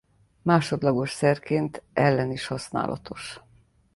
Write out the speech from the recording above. Másodlagos szerként ellen is használatos.